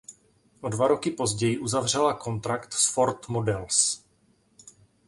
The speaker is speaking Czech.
O dva roky později uzavřela kontrakt s Ford Models.